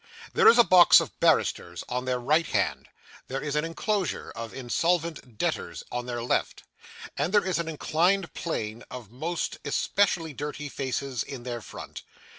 There is a box of barristers on their right hand; there is an enclosure of insolvent debtors on their left; and there is an inclined plane of most especially dirty faces in their front.